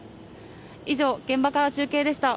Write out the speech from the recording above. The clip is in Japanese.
以上、現場から中継でした。